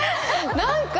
何か。